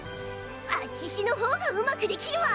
あちしのほうがうまくできるわ！